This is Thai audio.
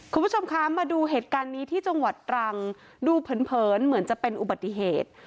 คุณผู้ชมคะมาดูเหตุการณ์นี้ที่จังหวัดตรังดูเผินเผินเหมือนจะเป็นอุบัติเหตุ